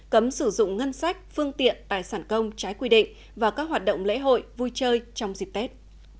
cấm sử dụng ngân sách phương tiện tài sản công trái quy định và các hoạt động lễ hội vui chơi trong dịp tết